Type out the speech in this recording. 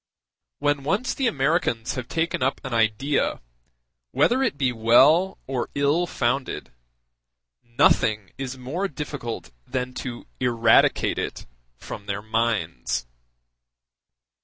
When once the Americans have taken up an idea, whether it be well or ill founded, nothing is more difficult than to eradicate it from their minds.